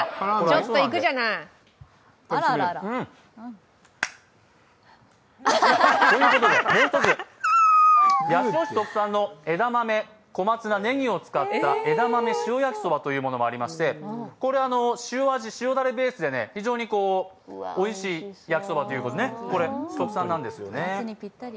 うん！ということでもう１つ、八潮市特産の小松菜、ねぎを使った枝豆塩焼きそばというものがありましてこれ、塩味、塩だれベースで非常においしい焼きそばということで、これ、特産なんですよね。